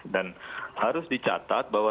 dan harus dicatat bahwa